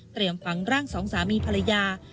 เตรียมฝังร่างสองสามีภรรยา